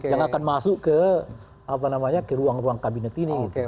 yang akan masuk ke ruang ruang kabinet ini